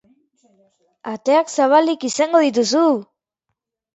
Ateak zabalik izango dituzu!